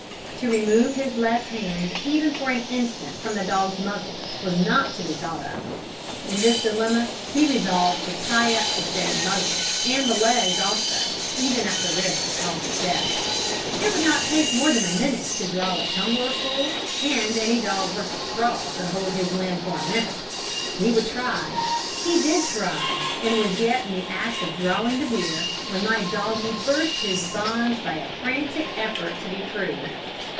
To remove his left hand even for an instant from the dog's muzzle was not to be thought of. In this dilemma he resolved to tie up the said muzzle, and the legs also, even at the risk of causing death. It would not take more than a minute to draw a tumblerful, and any dog worth a straw could hold his wind for a minute. He would try. He did try, and was yet in the act of drawing the beer when my doggie burst his bonds by a frantic effort to be free.